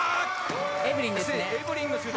エブリンですね。